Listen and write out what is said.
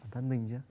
thân mình chưa